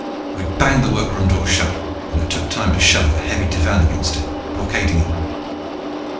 We banged the workroom door shut and I took time to shove a heavy divan against it, blockading it.